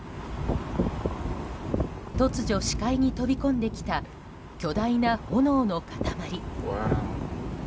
突如、視界に飛び込んできた巨大な炎の塊。